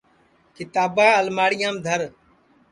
کِتاباں الماڑِیام دھر